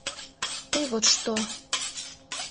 Тый вот што...